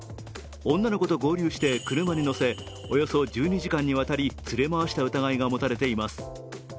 女の子と合流して車に乗せ、およそ１２時間にわたり連れ回した疑いが持たれています。